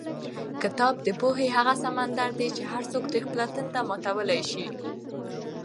کتاب د پوهې هغه سمندر دی چې هر څوک ترې خپله تنده ماتولی شي.